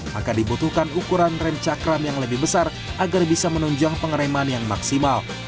maka dibutuhkan ukuran rem cakram yang lebih besar agar bisa menunjang pengereman yang maksimal